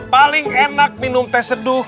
paling enak minum teh seduh